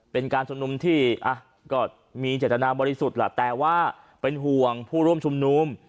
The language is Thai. เป็นการชุมนุมที่ก็มีเจตนาบริสุทธิ์ล่ะแต่ว่าเป็นห่วงผู้ร่วมชุมนุม